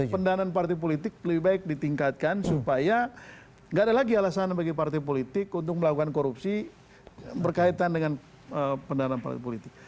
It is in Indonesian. pendanaan partai politik lebih baik ditingkatkan supaya nggak ada lagi alasan bagi partai politik untuk melakukan korupsi berkaitan dengan pendanaan partai politik